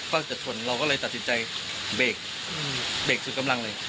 ว่าจะชนเราก็เลยตัดสินใจเบรกเบรกสุดกำลังเลย